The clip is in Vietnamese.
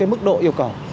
mức độ yêu cầu